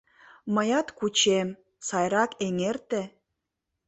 Мыят кучем, сайрак эҥерте...